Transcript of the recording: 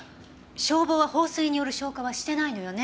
消防は放水による消火はしてないのよね？